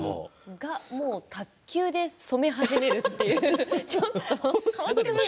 が、卓球で染め始めるというね。